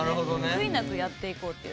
悔いなくやっていこうっていう。